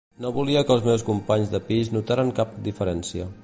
No volia que els meus companys de pis notaren cap diferència.